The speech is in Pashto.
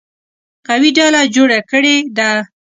قوي ډله جوړه کړې ده.